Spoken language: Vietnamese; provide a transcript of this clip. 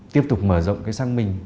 tiếp tục mở rộng sáng mình